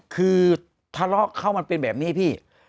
คือทะเลาะเขามันเป็นแบบนี้พี่